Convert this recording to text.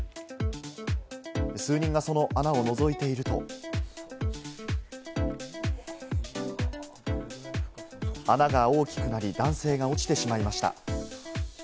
数人がその穴をのぞいていると、穴が大きくなり、男性が落ちてしまいました。